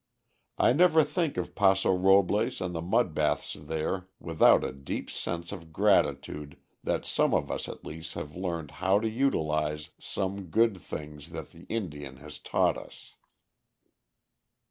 I never think of Paso Robles and the mud baths there without a deep sense of gratitude that some of us at least have learned how to utilize some good things that the Indian has taught us.